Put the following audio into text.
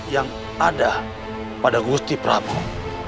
yang ada pada gusti prabowo